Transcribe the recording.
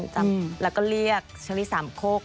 จับแล้วก็เรียกเชอรี่สามโคก